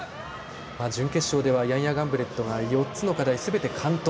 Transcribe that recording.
準決勝ではヤンヤ・ガンブレットが４つの課題すべて完登。